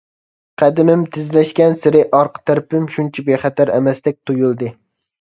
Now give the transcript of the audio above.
قەدىمىم تېزلەشكەنسېرى ئارقا تەرىپىم شۇنچە بىخەتەر ئەمەستەك تۇيۇلدى.